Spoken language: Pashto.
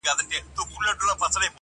o کوزه په درې پلا ماتېږي٫